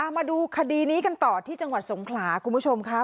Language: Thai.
มาดูคดีนี้กันต่อที่จังหวัดสงขลาคุณผู้ชมค่ะ